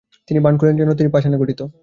তিনি ভান করিলেন যেন তিনি পাষাণে গঠিত।